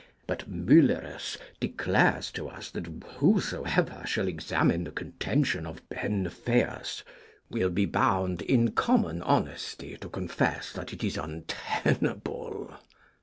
But Muellerus declares to us that whosoever shall examine the contention of Benfeius 'will be bound, in common honesty, to confess that it is untenable.'